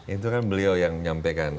itu kan beliau yang menyampaikan